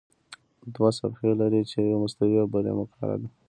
دوه صفحې لري چې یوه مستوي او بله مقعره ده.